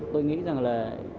tôi nghĩ rằng là